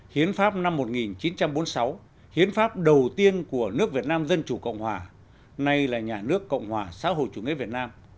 hiến pháp năm một nghìn chín trăm bốn mươi sáu hiến pháp đầu tiên của nước việt nam dân chủ cộng hòa nay là nhà nước cộng hòa xã hội chủ nghĩa việt nam